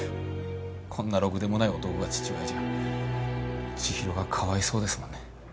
こんなろくでもない男が父親じゃちひろがかわいそうですもんね。